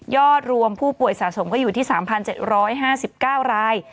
อดรวมผู้ป่วยสะสมก็อยู่ที่๓๗๕๙ราย